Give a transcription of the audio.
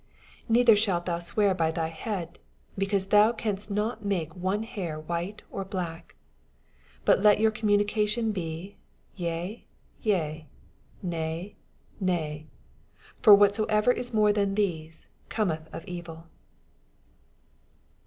86 Neither ahalt tnou swear by thy head, becaaae thoa canst not make one hair white or black. 87 Bat let yoar oommanioation be, Tea, yea: Nay, nay: for whatsoever is more tnan toese oometh of evil.